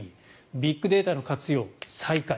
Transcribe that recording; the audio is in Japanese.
ビッグデータの活用、最下位。